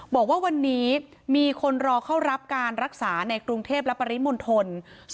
บอกว่าวันนี้มีคนรอเข้ารับการรักษาในกรุงเทพและปริมณฑล